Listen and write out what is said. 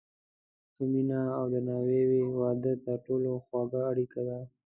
که مینه او درناوی وي، واده تر ټولو خوږه اړیکه ده.